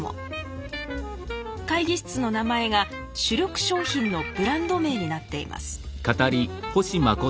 会議室の名前が主力商品のブランド名になっています。